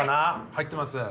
入ってます。